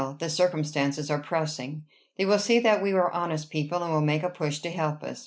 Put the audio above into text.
The circumstances are pressing. They will see that we are honest people, and will make a push to help us.